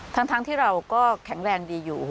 ทั้งที่เราก็แข็งแรงดีอยู่